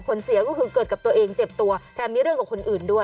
เสียก็คือเกิดกับตัวเองเจ็บตัวแถมมีเรื่องกับคนอื่นด้วย